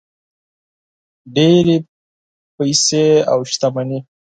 ډېرې پیسې او شتمني.